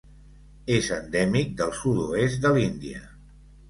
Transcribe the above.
És endèmic del sud-oest de l'Índia.